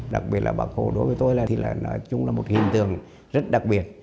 đặc biệt là bác hồ đối với tôi là một hình tượng rất đặc biệt